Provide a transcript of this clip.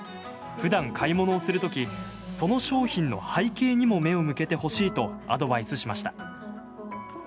ふだん買い物をする時その商品の背景にも目を向けてほしいとアドバイスしました。